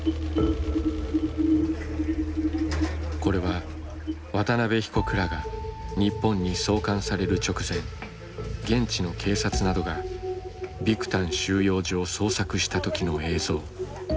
これは渡邉被告らが日本に送還される直前現地の警察などがビクタン収容所を捜索した時の映像。